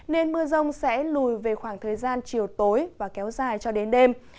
nên mưa rông sẽ lùi về khoảng thời gian chiều tối và kéo dài cho đến đêm